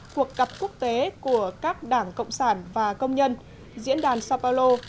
cuộc gặp quốc tế của các đảng cộng sản và công nhân diễn đàn sao paulo